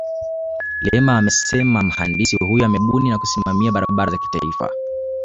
Lema amesema mhandisi huyo amebuni na kusimamia barabara za kitaifa